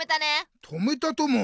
止めたとも！